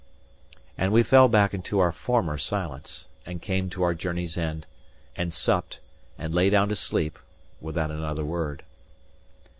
And we fell back into our former silence; and came to our journey's end, and supped, and lay down to sleep, without another word.